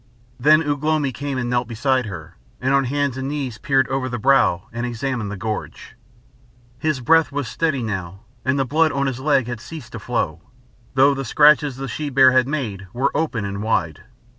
Then Ugh lomi came and knelt beside her, and on hands and knees peered over the brow and examined the gorge. His breath was steady now, and the blood on his leg had ceased to flow, though the scratches the she bear had made were open and wide.